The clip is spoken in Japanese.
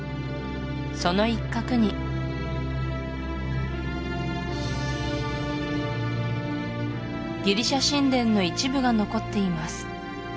その一角にギリシア神殿の一部が残っています